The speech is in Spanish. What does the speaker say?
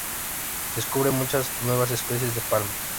Descubre muchas nuevas especies de palmas.